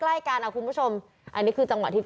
เพราะถูกทำร้ายเหมือนการบาดเจ็บเนื้อตัวมีแผลถลอก